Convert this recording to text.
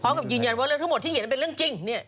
พร้อมกับยือยืนยันเยอะทัยผลที่เย็นเป็นเรื่องจริงเนี่ย